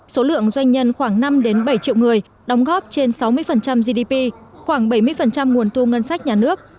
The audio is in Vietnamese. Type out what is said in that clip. số lượng doanh nhân khoảng năm bảy triệu người đóng góp trên sáu mươi gdp khoảng bảy mươi nguồn thu ngân sách nhà nước